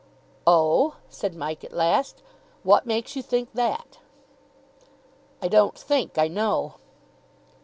"Oh?" said Mike at last. "What makes you think that?" "I don't think. I know."